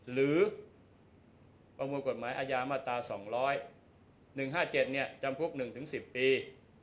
ประมวลกฎหมายอาญามาตรา๒๐๑๕๗จำคุก๑๑๐ปี